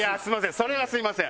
それはすみません。